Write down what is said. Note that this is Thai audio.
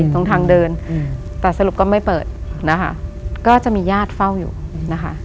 ตรงทางเดินแต่สรุปก็ไม่เปิดนะคะก็จะมีญาติเฝ้าอยู่นะคะ